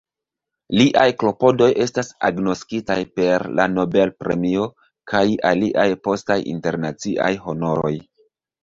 Liaj klopodoj estas agnoskitaj per la Nobel-premio kaj aliaj postaj internaciaj honoroj.